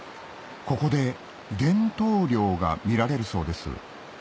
ここで伝統漁が見られるそうです